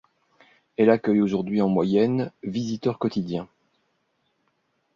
Elle accueille aujourd'hui en moyenne visiteurs quotidiens.